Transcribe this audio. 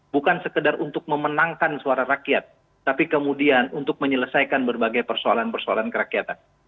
bukan sekedar untuk memenangkan suara rakyat tapi kemudian untuk menyelesaikan berbagai persoalan persoalan kerakyatan